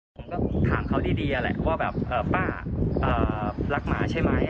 ผมก็ถามเขาดีแหละว่าแบบป้ารักหมาใช่ไหม